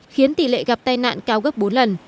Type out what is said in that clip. khiến tỷ lệ gặp tai nạn cao gấp bốn lần